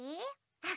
あっ！